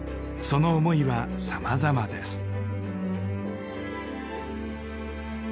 その思いはさまざまです。